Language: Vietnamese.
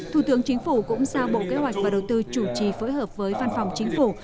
thủ tướng chính phủ cũng giao bộ kế hoạch và đầu tư chủ trì phối hợp với văn phòng chính phủ